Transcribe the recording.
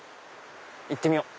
行ってみよう。